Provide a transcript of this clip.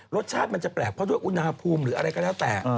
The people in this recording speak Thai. รสชาติมันจะแปลกเพราะด้วยอุณหภูมิหรืออะไรก็แล้วแต่